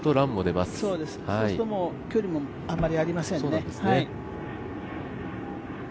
そうすると距離もあんまりありませんね。